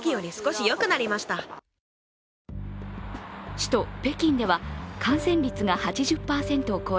首都北京では、感染率が８０％を超え